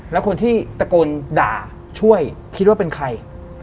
แล้วคนที่ตะโกนด่าช่วยคิดว่าเป็นใคร